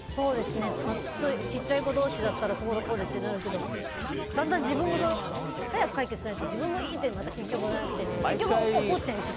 ちっちゃい子同士だったらこうでってなるけどだんだん自分も早く解決しないと自分もイー！ってなって、結局怒っちゃいそう。